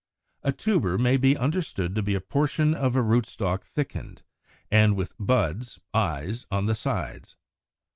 110. =A Tuber= may be understood to be a portion of a rootstock thickened, and with buds (eyes) on the sides.